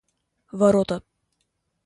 ворота